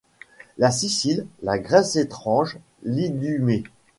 La Sicile, la Grèce étrange, l’Idumée